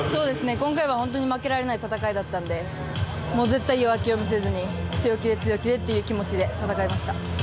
今回は本当に負けられない戦いだったので絶対に弱気を見せずに強気で、強気でという気持ちで戦えました。